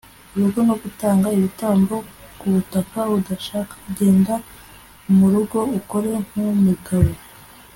urugo no gutanga ibitambo kubutaka budashaka. genda murugo ukore nk'umugabo